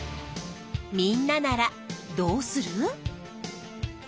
みんなならどうする？